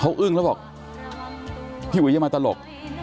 เขาอึ้งแล้วบอก